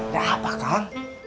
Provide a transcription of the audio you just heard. gak ada apa kang